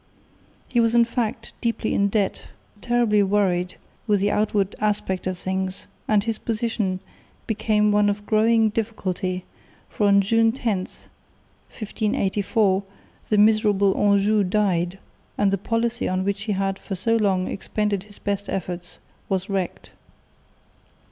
He was in fact deeply in debt, terribly worried with the outward aspect of things, and his position became one of growing difficulty, for on June 10, 1584, the miserable Anjou died, and the policy on which he had for so long expended his best efforts was wrecked.